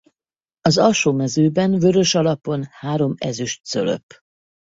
Az alsó mezőben vörös alapon három ezüst cölöp.